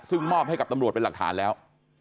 ซึ่งมอบให้กับตำรวจเป็นหลักฐานแล้ว